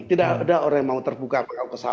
tidak ada orang yang mau terbuka